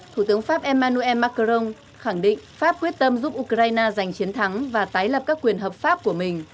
thủ tướng pháp emmanuel macron khẳng định pháp quyết tâm giúp ukraine giành chiến thắng và tái lập các quyền hợp pháp của mình